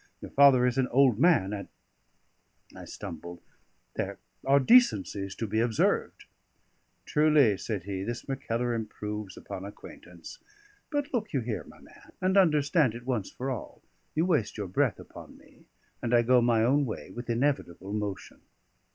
Your father is an old man; and ..." I stumbled ... "there are decencies to be observed." "Truly," said he, "this Mackellar improves upon acquaintance. But look you here, my man, and understand it once for all you waste your breath upon me, and I go my own way with inevitable motion."